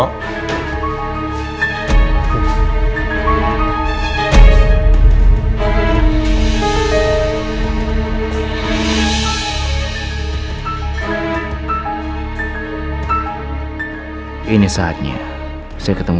apa yang anda harus bah tiongkokous buat